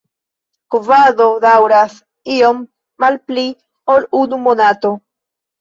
Kovado daŭras iom malpli ol unu monato.